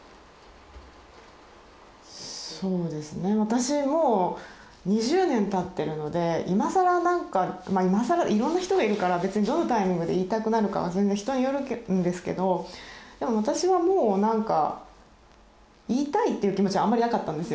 そうですね私もう２０年たってるので今さらなんかまあ今さらいろんな人がいるから別にどのタイミングで言いたくなるかは全然人によるんですけどでも私はもうなんか言いたいっていう気持ちはあんまりなかったんですよ。